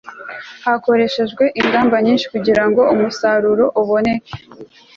hakoreshejwe ingamba nyinshi kugirango umusaruro uboneke